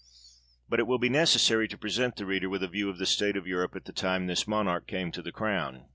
But it will be necessary to present the reader with a view of the state of Europe at the time this Monarch came to the crown.